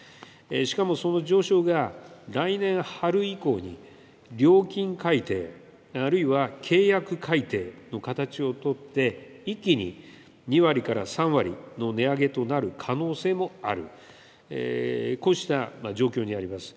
しかもその上昇が来年春以降に料金改定、あるいは契約改定の形を取って、一気に２割から３割の値上げとなる可能性もある、こうした状況にあります。